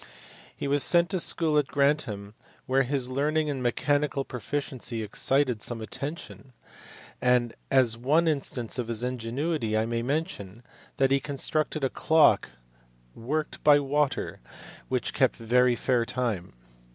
He was sent to school at Grantham, where his learning and mechanical proficiency excited some attention; and as one instance of his ingenuity I may mention that he constructed a clock worked by water which kept very fair time.